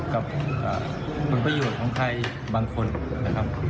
กับผลประโยชน์ของใครบางคนนะครับ